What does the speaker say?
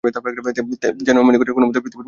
যেন এমনি করিয়া কোনোমতে পৃথিবীর মুখ চাপা দিতে চাহে।